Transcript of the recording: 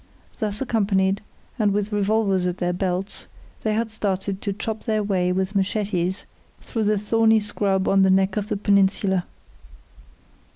Thus accompanied, and with revolvers at their belts, they had started to chop their way with machetes through the thorny scrub on the neck of the peninsula.